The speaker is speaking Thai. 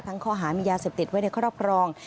ข้อหามียาเสพติดไว้ในครอบครอง